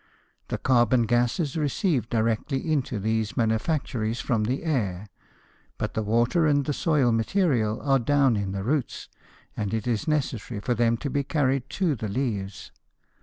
The carbon gas is received directly into these manufactories from the air, but the water and the soil material are down in the roots, and it is necessary for them to be carried to the leaves.